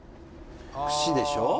「くしでしょ。